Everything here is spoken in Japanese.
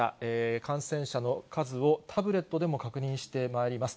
感染者の数を、タブレットでも確認してまいります。